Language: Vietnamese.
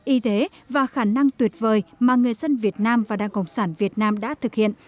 y tế và khả năng tuyệt vời mà người dân việt nam và đảng cộng sản việt nam đã thực hiện